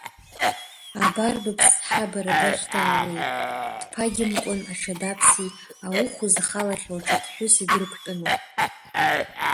Абар, быԥсҳа бара бахь даауеит дԥагьамкәан аҽадаԥси ауӷә зхалахьоу аҽадҳәыси дрықәтәаны.